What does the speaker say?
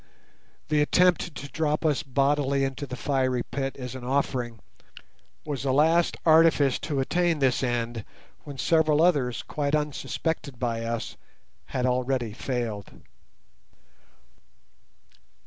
The attempt to drop us bodily into the fiery pit as an offering was a last artifice to attain this end when several others quite unsuspected by us had already failed.